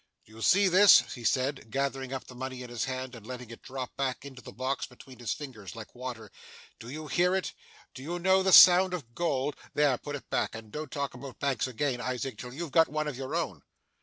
'Do you see this?' he said, gathering up the money in his hand and letting it drop back into the box, between his fingers, like water. 'Do you hear it? Do you know the sound of gold? There, put it back and don't talk about banks again, Isaac, till you've got one of your own.